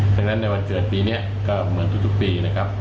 ฉะนั้นในวันเกิดปีนี้ก็เหมือนทุกปีนะครับ